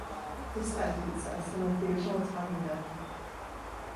This style of pizza is similar to the original Italian version.